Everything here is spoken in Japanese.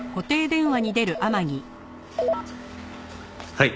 はい。